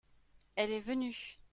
elle est venue.